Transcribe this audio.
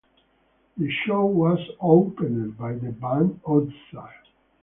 The show was opened by the band Oddzar.